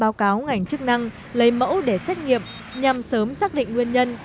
báo cáo ngành chức năng lấy mẫu để xét nghiệm nhằm sớm xác định nguyên nhân